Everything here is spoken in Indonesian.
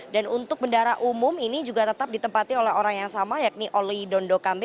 dan untuk bendara umum ini juga tetap ditempati oleh orang yang sama yakni oli dondo kambe